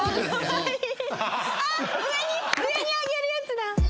あっ上に上に上げるやつだ！